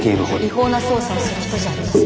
違法な捜査をする人じゃありません。